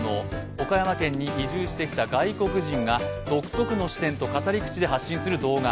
岡山県に移住してきた外国人が独得の視点と語り口で発信する動画。